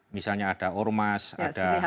misalnya ada ormas ada ya semuanya